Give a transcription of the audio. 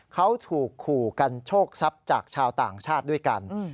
เขาถูกขู่กันโชคทรัพย์จากชาวต่างชาติด้วยกัน